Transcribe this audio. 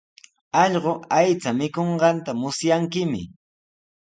Allqu aycha mikunqanta musyankimi.